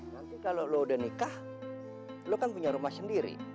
nanti kalau lo udah nikah lo kan punya rumah sendiri